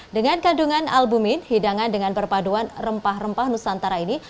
dengan kandungan albumin hidangan dengan perpaduan rempah rempah nusantara ini